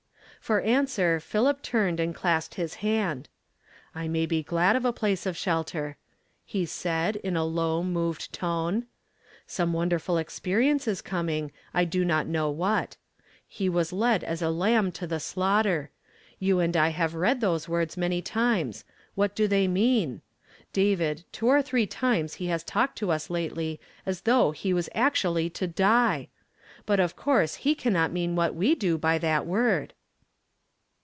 For answer Philip turned and clasped his hand. " I may be glad of a place of shelter," he said in a low, moved tone. " Some wonderful experi ence is coming, I do not know what. 'He was led as a lamb to the slaughter; ' you and I have read those words many times; what do they mean? David, two or three times he has talked t, us lately as though he was actually to die ! but of course he cannot mean what we do by that word."